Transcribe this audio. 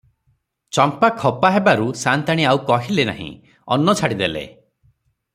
ଚମ୍ପା ଖପା ହେବାରୁ ସାଆନ୍ତାଣୀ ଆଉ କହିଲେ ନାହିଁ, ଅନ୍ନ ଛାଡ଼ିଦେଲେ ।